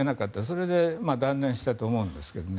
それで断念したと思うんですね。